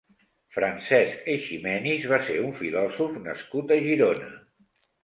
Francesc Eiximenis va ser un filòsof nascut a Girona.